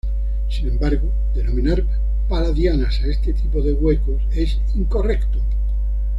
Sin embargo, denominar palladianas a este tipo de huecos es incorrecto.